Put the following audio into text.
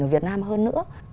ở việt nam hơn nữa